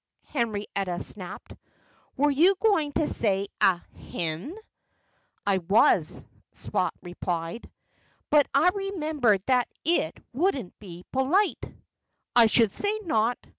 _" Henrietta snapped. "Were you going to say a Hen?" "I was," Spot replied. "But I remembered that it wouldn't be polite." "I should say not!"